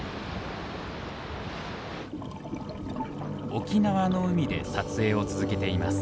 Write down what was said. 沖縄の海で撮影を続けています。